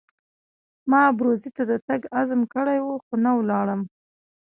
ما ابروزي ته د تګ عزم کړی وو خو نه ولاړم.